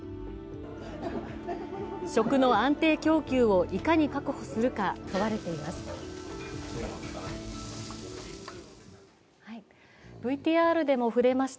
食の安定供給をいかに確保するか、問われています。